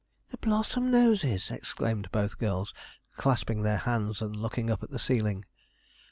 'The Blossomnoses!' exclaimed both girls, clasping their hands and looking up at the ceiling.